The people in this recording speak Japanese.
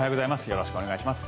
よろしくお願いします。